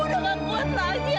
ibu tapi gak boleh kayak gini ibu